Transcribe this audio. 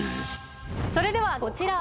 それではこちら。